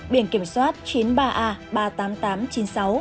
tôi có crisis